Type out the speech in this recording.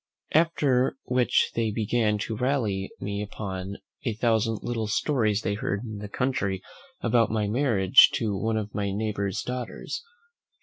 After which they began to rally me upon a thousand little stories they heard in the country about my marriage to one of my neighbour's daughters.